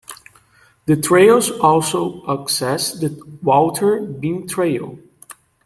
The trails also access the Walter Bean Trail.